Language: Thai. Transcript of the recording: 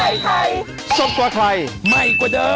เออ